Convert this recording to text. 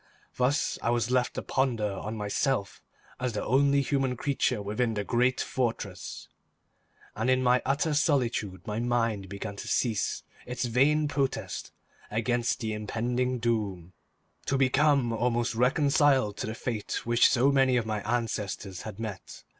Thus was I left to ponder on myself as the only human creature within the great fortress, and in my utter solitude my mind began to cease its vain protest against the impending doom, to become almost reconciled to the fate which so many of my ancestors had met.